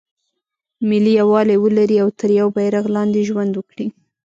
ملي یووالی ولري او تر یوه بیرغ لاندې ژوند وکړي.